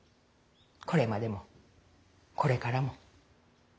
これまでもこれからも。